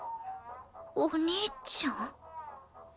お兄ちゃん？